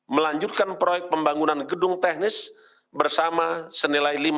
melanjutkan proyek pembangunan gedung teknis bersama senilai rp lima belas miliar